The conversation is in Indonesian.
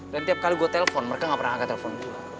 dan tiap kali gue telepon mereka nggak pernah angkat telepon